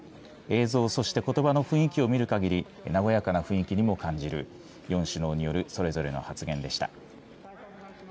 映像、そしてことばの雰囲気を見るかぎり、和やかな雰囲気にも感じる、４首脳によるそれぞれの発言でした。